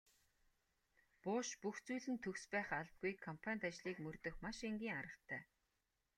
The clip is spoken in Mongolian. Буш бүх зүйл нь төгс байх албагүй компанит ажлыг мөрдөх маш энгийн аргатай.